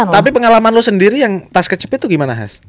tapi pengalaman lu sendiri yang tas kecepet tuh gimana has